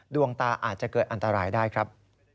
ดวงตาอาจจะเกิดอันตรายได้ครับ